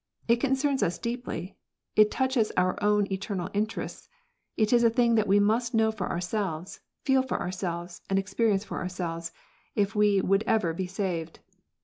It concerns us deeply ; it touches our own eternal interests, it is a thing that we must know for ourselves, feel for ourselves, and experi ence for ourselves, if we would ever be saved.